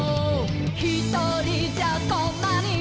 「ひとりじゃこんなに」